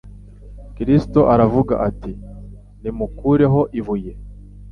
Kristo aravuga ati: «Nimukureho ibuye.»